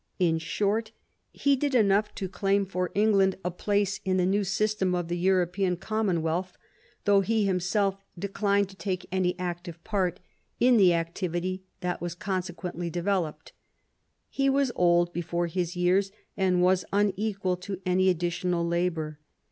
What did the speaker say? In shorty he did enough to claim for England I THE STATE OF EUROPE 11 a place in the new system of the European common wealth, though he himself declined to take any active part in the activity that was eonsequently developed. He was old before his years, and was unequal to any additional labour.